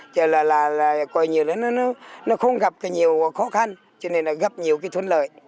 chứ là coi như nó không gặp nhiều khó khăn cho nên là gặp nhiều cái thuân lợi